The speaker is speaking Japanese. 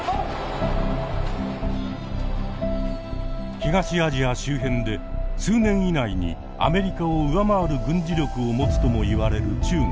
東アジア周辺で数年以内にアメリカを上回る軍事力を持つともいわれる中国。